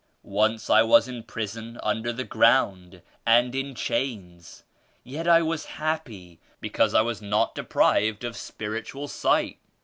Once I was in prison under the ground and in chains, yet I was happy because I was not deprived of spiritual sight.